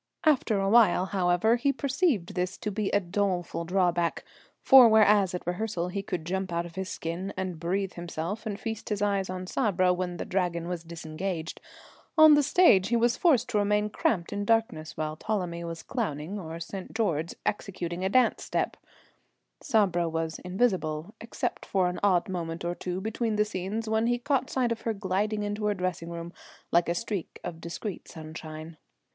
After a while, however, he perceived this to be a doleful drawback, for whereas at rehearsal he could jump out of his skin and breathe himself and feast his eyes on Sabra when the Dragon was disengaged, on the stage he was forced to remain cramped in darkness while Ptolemy was clowning or St. George executing a step dance. Sabra was invisible, except for an odd moment or so between the scenes when he caught sight of her gliding to her dressing room like a streak of discreet sunshine.